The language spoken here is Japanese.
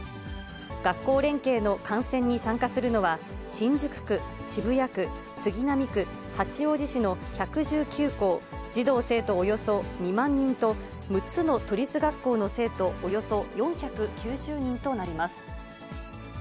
学校連携の観戦に参加するのは、新宿区、渋谷区、杉並区、八王子市の１１９校、児童・生徒およそ２万人と、６つの都立学校の生徒およそ４９０人となります。